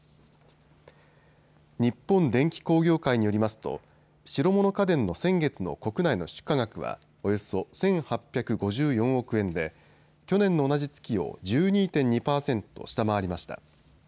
日本電機工業会によりますと白物家電の先月の国内の出荷額はおよそ１８５４億円で去年の同じ月を１２．２％下回りました。